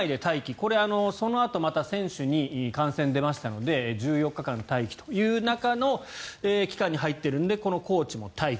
これはそのあと、また選手に感染が出ましたので１４日間待機という中の期間に入っているのでこのコーチも待機。